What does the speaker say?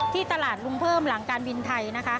ที่ตลาดลุงเพิ่มหลังการบินไทยนะคะ